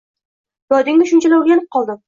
Yodingga shunchalar o’rganib qoldim, —